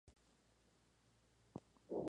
Ilustración y diseño: Javier Longobardo.